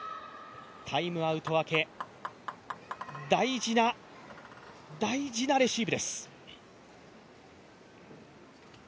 タイムアウト明け、大事な、大事なレシーブです。